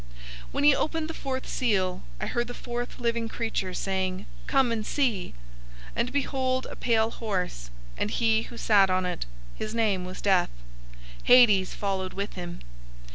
006:007 When he opened the fourth seal, I heard the fourth living creature saying, "Come and see!" 006:008 And behold, a pale horse, and he who sat on it, his name was Death. Hades{or, Hell} followed with him.